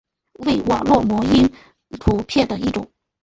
为网络模因图片的一种。